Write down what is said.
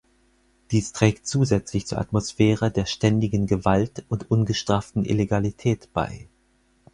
Dies trägt zusätzlich zur Atmosphäre der ständigen Gewalt und ungestraften Illegalität bei.